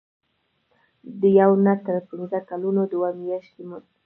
د یو نه تر پنځه کلونو دوه میاشتې مزد.